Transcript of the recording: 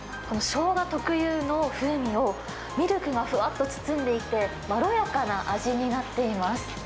このしょうが特有の風味を、ミルクがふわっと包んでいて、まろやかな味になっています。